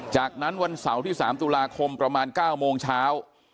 จากนั้นวันเสาร์ที่๓ตุลาคมประมาณ๙โมงเช้า